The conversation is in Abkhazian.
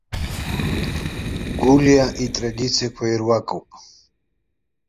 Гәлиа итрадициақәа ируакуп.